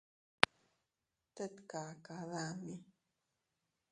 Tet kaka dami.